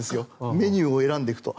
メニューを選んでいくと。